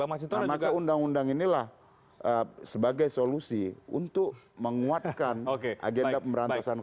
nah maka undang undang inilah sebagai solusi untuk menguatkan agenda pemberantasan korupsi